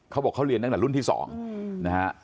เขาบอกเขาเรียนตั้งแต่รุ่นที่๒นะฮะ